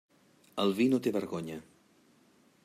El vi no té vergonya.